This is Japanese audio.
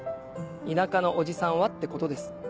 田舎のおじさんはってことです。